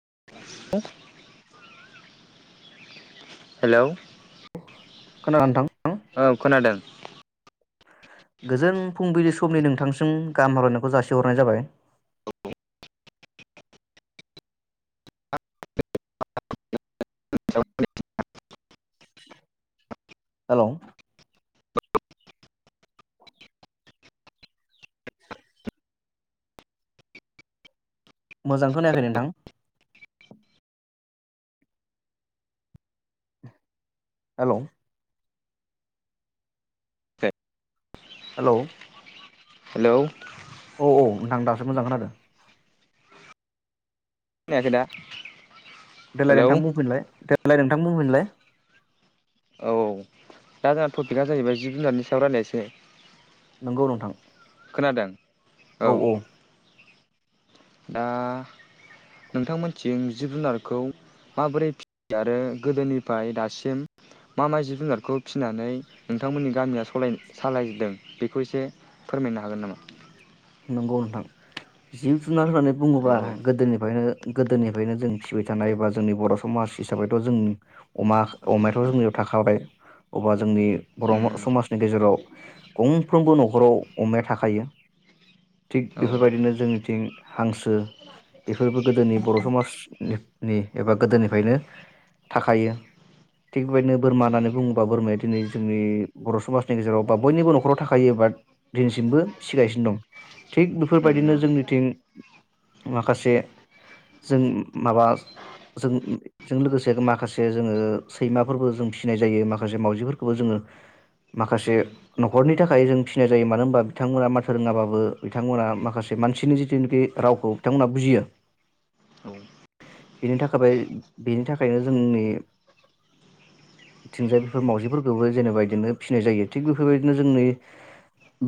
[unintelligible] Hello? खोनादों नोंथां। खोनादों गोजोन फुंबिलि समनि नोंथांनिसिम गाहाम हामलायनायखौ जासिहरनाय जाबाय। औ। मोजां खोनायाखै नोंथां। हेलव। ए। हेलौ। हेलौ। औ औ नोंथां दासो मोजां खोनादों। खोनायाखै दा? देेलाय हेलौ नोंथां बुंफिनलाय। देलाय नोंथां बुंफिनलाय। औ दा जोंना टपिकआ जाहैबाय जिब जुनारनि सायाव रायज्लायसै। नंगौ नोंथां। खोनादों। औ औ। दा नोंथांमोनथिं जिब जुनारखौ माबोरै फियो आरो गोदोनिफ्राय दासिम मा मा जिब जुनारखौ फिनानै नोंथांमोननि गामिया सलाय-सालायदों बेखौ एसे फोरमायनो हागोन नामा? नंगौ नोंथां जिउ जुनार होननानै औ बुङोबा गोदोनिफ्रायनो। गोदोनिफ्रायनो जों फिबाय थानाय बा जोंनि बर समाज हिसाबैथ जों अमा अमायाथ जोंनियाव थाखाबाय अबा जोंनि। बर'म उम समाजनि गेजेराव। गंफ्रोमबो नखराव अमाया थाखायो। थिग औ उम बेफोरबायदिनो जोंनिथिं हांसो बेफोरबो गोदोनि बर समाज। निब नि एबा गोदोनिफ्रायनो थाखायो थिग बेबायदिनो बोरमा होननानै बुङोबा बोरमाया दिनै जोंनि बर' समाजनि गेजेराव बा बयनिबो नखराव थाखायो बा दिनैसिमबो फिगासिनो दं। थिग बेफोरबायदिनो उम जोंनिथिं। माखासे जों माबा जों जों लोगोसे माखासे जोङो सैमाफोरबो जों फिनाय जायो माखासे मावजिफोरखौबो जोङो माखासे उम नखरनि थाखाय जों फिनाय जायो मानो होनबा बिथांमोना माथो रोङाबाबो बो बिथांमोना माखासे मानसिनि जितिनिखि रावखौ बिथांमोनहा बुजियो औ बेनि थाखाबाय बेनि थाखायनो जोंनिंथिंजायफोर मावजिफोरखौबो जेनेबा बिदिनो फिनाय जायो थिग बेफोरबायदिनो जोंनि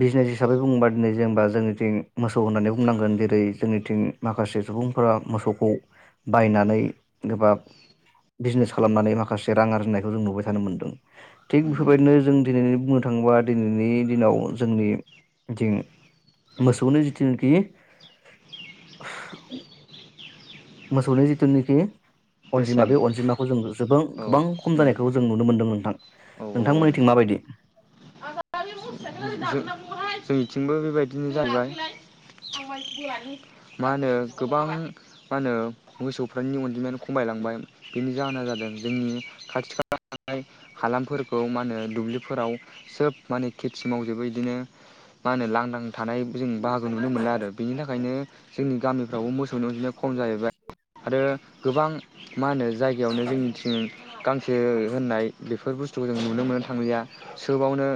बिजनेस हिसाबै बुङोबा दिनै जेनेबा जोंनिथिं मोसौ होननानै बुंनांगोन जेरै जोंनिथिं माखासे सुबुंफोरा मोसौखौ बायनानै गोबा बिजनेस खालामनानै माखासे रां आरजिनायखौ जों नुबाय थानो मोनदों थिग उम बेफोरबायदिनो जों दिनै बुंनो थाङोबा दिनैनि दिनाव जोंनिथिं मोसौनो जिथुनोखि मोसौनो जिथुनोखि अनजिमा बेसेन बे अनजिमाखौ जों जोब औ गोबां खम उम जानायखौ जों नुनो मोनदों नोंथां औ ओं नोंथांमोनिथिं माबायदि? जो जोंनिथिंबो बेबायदिनो जाहैबाय मा होनो गोबां मा होनो मोसौफोरनि अनजिमायानो खमायलांबाय बेनि जाहोना जादों जोंनि खाथि खाला थानाय हालामफोरखौ मा होनो दुब्लिफोराव सोब माने खेथि मावजोबो इदिनो मा होनो लांदां थानाय जों बाहागो नुनो मोना आरो बेनि थाखायनो जोंनि गामिफ्रावबो मोसौनि अनजिया खम जाहैबाय आरो गोबां मा होनो जायगायावनो जोंनिथिं गांसो होननाय बेफोर बुस्थु थुखौ जों नुनो मोनो थांलिया सोबावनो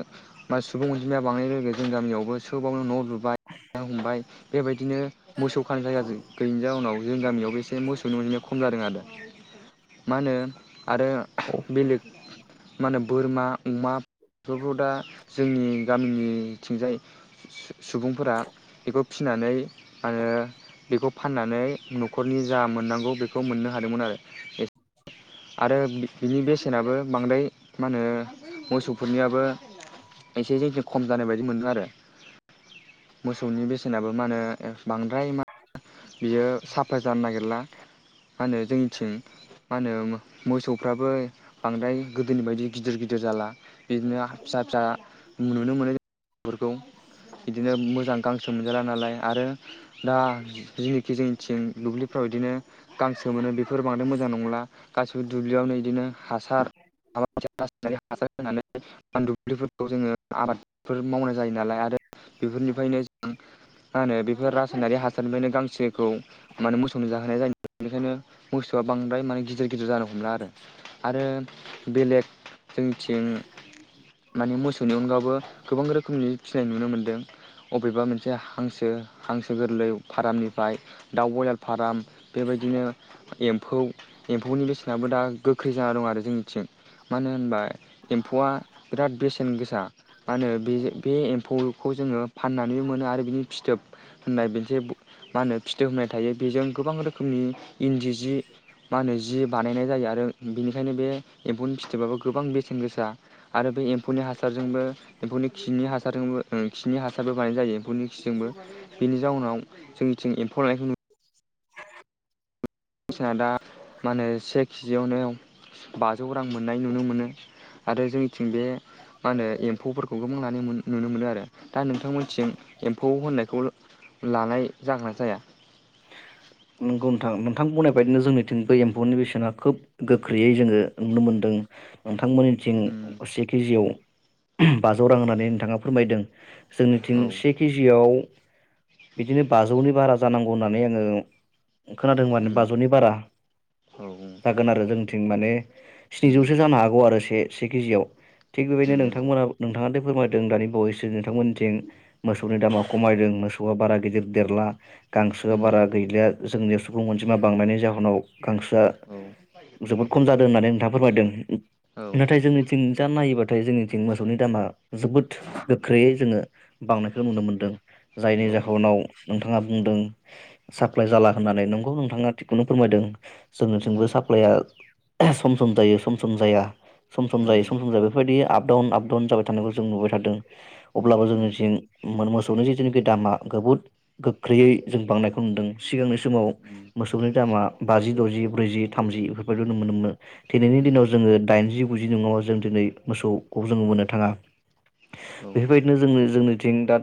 बा सुबुं अनजिमाया बांनाय लोगो जों गामियावबो सोबावनो न लुबायनो हमबाय बेबायदिनो मोसौ खानो जायगा गैयैनि जाउनाव जों गामियाव। एसे मोसौनि अनजिमाया खम जादों आरो। मा होनो आरो औ बेलेग। मा होनो बोरमा अमा बेफोरखौ दा जोंनि गामिनिथिंजाय सुबुंफोरा बेखौ फिनानै मा होनो बेखौ फाननानै नखरनि जा मोननांगौ बेखौ मोननो हादोंमोन आरो आरो बिनि बेसेनाबो बांद्राय मा होनो मोसौफोरनियाबो एसे जायखिया खम जानाय बायदि मोनो आरो मोसौनि बेसेनाबो मा होनो बांद्राय मा बियो साफा जानो नागिरला मा होनो जोंनिथिं मा होनो मोसौफ्राबो बांद्राय गोदोनि बायदि गिदिर गिदिर जाला बिदिनो फिसा फिसा नुनो मोनो मोसौफोरखौ बिदिनो मोजां गांसो मोनजाला नालाय आरो दा जिनोखि जोंनिथिं दुब्लिफ्राव बिदिनो गांसो मोनो बेफोर बांद्राय मोजां नंला गासैबो दुब्लियावनो बिदिनो हासार हासार होनानै [unintelligible] आनदु फुलिफोरखौ जोङो आबाद बेफोर मावनाय जायो नालाय आरो बेफोरनिफ्रायनो जों मा होनो बेफोर रासायनारि हासारनिफ्रायनो गांसो गांसोखौ माने मोसौनो जाहोनाय जायो बेनिखायनो मोसौआ बांद्राय माने गिदिर गिदिर जानो हमला आरो आरो बेलेग जोंनिथिं माने मोसौनि अनगायबो गोबां रोखोमनि फिसिनाय नुनो मोनदों अबेबा मोनसे हांसो हांसो गोरलै फारामनि ओमफ्राय दाउ बयलार फाराम बेबायदिनो एम्फौ एम्फौनि बेसेनाबो दा गोख्रै जाना दं आरो जोंनिथिं मानो होनबा एम्फौआ बिराद बेसेन गोसा मा होनो बे बे एम्फौखौ जोङो फाननानैबो मोनो आरो बिनि फिथोब होननाय बेसे मा होनो फिथोब होननाय थायो बेजों गोबां रोखोमनि इन्दि जि माहोनो जि बानायनाय जायो आरो बेनिखायनो बे एम्फौनि फिथोबाबो गोबां बेसेन गोसा आरो बे एम्फौनि हासारजोंबो एम्फौनि खिनि हासारजोंबो खिनि हासारबो बानायनाय जायो एम्फौनि खिजोंबो बेनि जाउनाव जोंनि जों एम्फौ लानायखौ नुयो मानसिना दा मा होनो से केजियावनो बाजौ रां मोननाय नुनो मोनो आरो जोंनिथिं बे मा होनो एम्फौफोरखौ गोबां लानो मोन नुनो मोनो आरो दा नोंथांमोन थिं एम्फौ होननायखौ लानाय जाग्रा जाया नोंगौ नोंथां नोंथां बुंनाय बायदिनो जोंनिथिं बे एम्फौनि बेसेना खोब गोख्रैयै जोङो नुनो मोन्दों नोंथां नोंथांमोननिथिं उम से केजियाव ओम बाजौ रां होननानै नोंथाङा फोरमायदों औ जोंनिथिं से केजिआव बिदिनो बाजौनि बारा जानांगौ होननानै आङो खोनादों माने उम बाजौनि बारा औ उम जागोन आरो जों जों माने उम स्निजौसो जानो हागौ आरो से से केजियाव थिग बेबायदिनो उम नोंथांमोना नोंथाङा फोरमायदों दानि बावैसो नोंथांमोननिथिं मोसौनि दामा खमायदों मोसौआ बारा गिदिर देरला गांसोआ उम बारा गैलिया जोंनि सुबुं अनजिमा बांनायनि जाहोनाव गांसोआ औ जोबोद खम जादों होननानै नोंथाङा फोरमायदों ए औ नाथाय जोंनि थिं जानो नायोबा नाथाय जोंनिथिं मोसौनि दामा जोबोद गोख्रैयै जोङो बांनायखौ नुनो मोनदों जायनि औ जाहोनाव उम नोंथाङा बुंदों सा लाइ जाला होननानै नोंगौ नोंथाङा थिगखौनो फोरमायदों जोंनिथिंबो साप्लइआ सम सम जायो सम सम जाया सम सम जायो उम सम जायो बेबायदि आब आपडाउन आपडाउन जाबाय थानायखौ जों नुबाय थादों अब्लाबो उम जोनिथिं मो फोनि जे जुनाखि दामा जोबोद गोख्रैयै जों बांनायखौ नुदों सिगांनो समाव उम मोसौनि दामा बाजि दजि ब्रैजि थामजि बेफोरबायदि नुनो मोनोमोन दिनैनि दिनाव उम जोङो दाइनजि गुजि नङाबा जों दिनै मोसौखौ जोङो मोननो थाङा। अ जोंनिथिंथ' बेफोरबायदिनो जों जोंनिथिं दा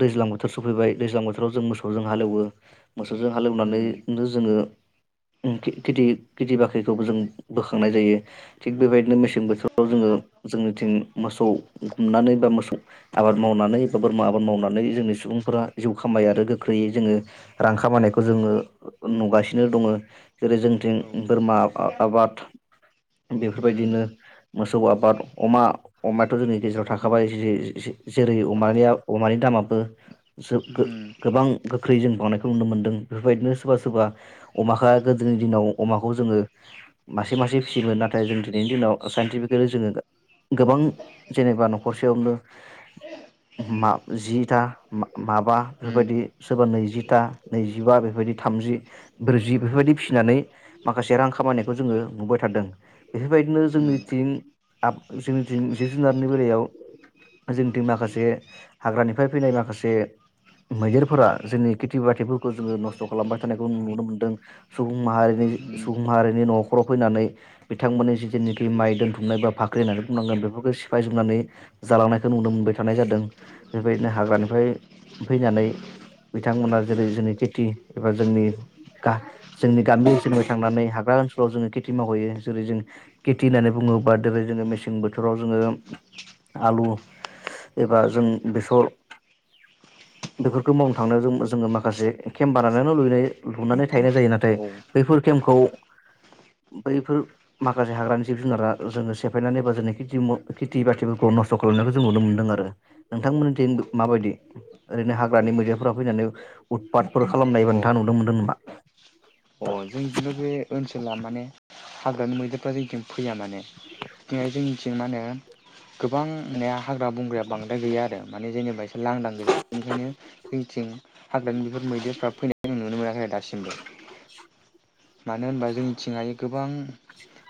दैज्लां बोथोर सफैबाय दैज्लां बोथोराव जों मोसौजों हालेवो मोसौजों हालेवनानैनो जोङो ओम खिथि बाख्रिखौबो जों बोखांनाय जायो थिग बेबायदिनो मेसेन थिं बोथोराव जोङो जोंनिथिं मोसौ गुमनानै बा मो आबाद मावनानै बा बोरमा आबाद मावनानै जोंनि सुबुंफोरा जिउ खामायो आरो गोख्रैयै जोङो रां खामायनायखौ जोङो नुगासिनो दङ' जेरै जोंथिं बोरमा आबाद बेफोरबायदिनो मोसौ आबाद अमा अमायाथ' जोंनि गेजेराव थाखाबाय ज जेरैमानिया अमानि दामाबो गोबां गोख्रै जों बांनायखौ नुनो मोनदों बेफोरबायदिनो सोरबा सोरबा अमाखौ गोदोनि दिनाव अमाखौ जोङो मासे मासे फिसियोमोन नाथाय जों दिनैनि दिनाव साइन्टिफिकेलि जोङो गोबां जेनेबा न'खरसेयावनो मा जिथा माबा बेफोरबायदि सोरबा नैजि ता नैजिबा बेफोरबायदि थामजि ब्रैजि बेफोरबायदि फिसिनानै माखासे रां खामायनायखौ जोङो नुबाय थादों बेफोरबायदिनो जोंनिथिं जोंनिथिं जिब जुनारनि बेलायाव जोंनिथिं माखासे हाग्रानिफ्राय फैनाय माखासे मैदेरफोरा जोंनि खेथि बाथि खौ खौ जोङो नस्थ खालामबाय थानायखौ नुनो मोनदों सुबुं माहारिनि सुबुं माहारिनि नखराव फैनानै बिथांमोननि जेनोखि माइ दोनथुमनाय बा बाख्रि होननानै बुंनांगोन बेफोरखौ सिफाय जोमनानै जालांनायखौ नुनो मोनबाय थानाय जादों बेबायदिनो हाग्रानिफ्राय फैनानै बिथांमोना जेरै जों खेथि एबा जोंनि जोंनि गामि ओनसोलाव थांनानै हाग्रा ओनसोलाव जोङो खेथि मावहैयो जेरै जों खेथि होननानै बुङोबा जेरै जोङो मेसें बोथोराव जोङो आलु एबा जों बेसर बेफोरखौ मावनो थांनायाव जों जोङो माखासे केम बानायनै लुनाय लुनानै थानाय जायो नाथाय बैफोर केमखौ बैफोर माखासे हाग्रानि जिब जुनारा जोङो सेफायनानै एबा जोंनि खेथि बाथिफोरखौ नस्थ खालामनायखौ जों नुनो मोन्दों आरो नोंथांमोननिथिं माबायदि ओरैनो हाग्रानि मैदेरफोरा फैनानै उ दपाथ खालामनायबो नोंथाङा नुदों मोनदों नामा? अ जोंजोंनो बे ओनसोला माने हाग्रानि मैदेरफ्रा जोंथिं फैया माने जोंनिथिं मानो गोबां माने हाग्रा बंग्राया बांद्राय गैया आरो माने जेनेबा लांदां गोजा बेनिखायनो जोंथिं हाग्रानि बेफोर मैदेरफ्रा फैनायखौ जों नुनो मोनाखै आरो दासिमबो मानो होनबा जोंनिथिंहाय गोबां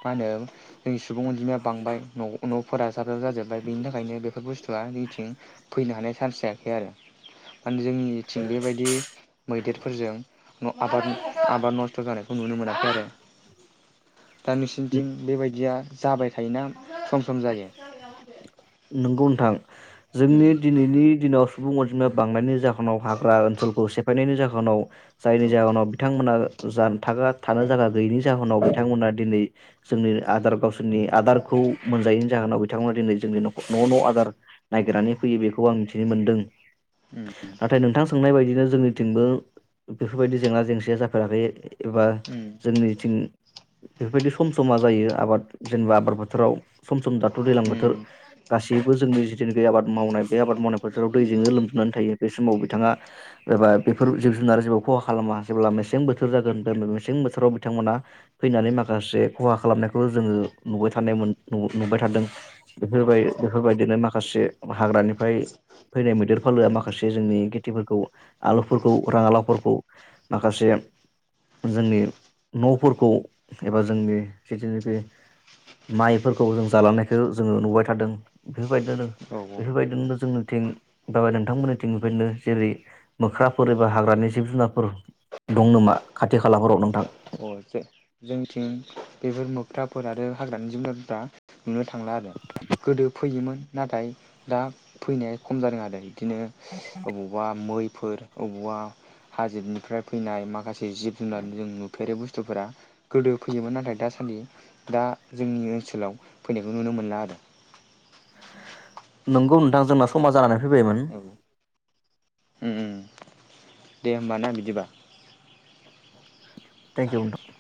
मा होनो [unintelligible] सुबुं अनजिमाया बांबाय न न फोरा जाब जाब जाजोब्बाय बेनि थाखायनो बेफोर बुस्थुआ नैथिं फैनो हानाय सान्स जायाखै आरो। माने जोंनिथिं बेबायदि मैदेरफोरजों न' आबाद आबाद नस्थ' जानायखौ नु मोनाखै आरो। दा नोंसिनिथिं बेबायदिया जाबाय थायोना सम सम जायो? नंगौ नोंथां उम जोंनि दिनैनि दिनाव सुबुं अनजिमाया बांनायनो जाहो नाव हाग्रा ओनसोलखौ से फायनायनि जाहोनाव जायनि औ जाहोनाव बिथांमोना जानथागा थानो जायगा गैयिनि जाहोनाव बिथांमोना दिनै जोंनि आदार गावसोरनि आदारखौ मोनजायैनि जाहोनाव बिथांमोना दिनै जोंनि न' न' आदार ननायागिरनानै फैयो बेखौ आं मिथिनो मोनदों उम नाथाय नोंथां सोंनाय बायदिनो जोंनिथिंबो बेफोरबायदि जेंना जेंसिया जाफेराखै एबा उम जोंनिथिं बेफोरबायदि सम समा जायो आबाद जेनेबा आबाद फोथोराव सम सम दाथ दैलां उम बोथोर गासैबो जोंनि जिथुनाखि आबाद मावनाय बे आबाद मावनाय बोथोराव दैजोंनो लोमजोबनानै थायो बे समाव बिथाङा एबा बेफोर जिब जुनार जेबो खहा खालामा जेब्ला मेसें बोथोर जागोन होन मेसें बोथोराव बिथांमोना फैनानै माखासे खहा खालामनायखौ जोङो नुबाय थानायमोन नुबाय थादों बेफोरबाय बेफोरबायदिनो माखासे हाग्रानिफ्राय फैनाय मैदेर फालोआ माखासे जोंनि खेथिफोरखौ आलुफोरखौ राङालावफोरखौ माखासे जोंनि न'फोरखौ एबा जोंनि जिथिनिखि माइफोरखो औ जों जालांनायखौ जोङो नुबाय थादों बेफोरबायदिनो औ औ बेफोरबायदिनो जोंनिथिं बा नोंथांमोननिथिंनिफ्रायनो जेरै मोख्राफोर एबा हाग्रानि जिब जुनारफोर दं नामा खाथि खालाफोराव नोंथां। अ जो-जोंथिं बेफोर मोख्राफोर आरो हाग्रानि जबुनार दा नुनो थांला आरो गोदो फैयोमोन नाथाय दा फैनाया खम जादों आरो। बिदिनो अबावबा मै फोर बबेबा हाजोबनिफ्राय फैनाय माखासे जिब जुनार जों नु बे बुस्थुफोरा गोदो फैयोमोन नाथाय दासान्दि दा जोंनि ओनसोलाव फैनायखौ नुनो मोनला आरो। नोंगौ नोंथां जोंना समा जानानै फैबायमोन। औ उम उम दे होमबा ना बिदिबा। थेंकइउ नोंथां।